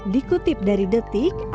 dikutip dari detik